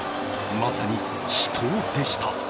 まさに死闘でした。